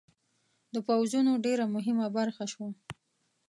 د پوځونو ډېره مهمه برخه شوه.